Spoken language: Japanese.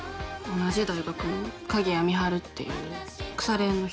同じ大学の鍵谷美晴っていう腐れ縁の人。